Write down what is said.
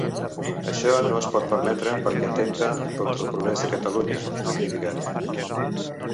Això no es pot permetre, perquè atempta contra el progrés de Catalunya, ha criticat.